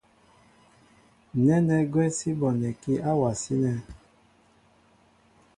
Nɛ́nɛ́ gwɛ́ sí bonɛkí áwasí nɛ̄.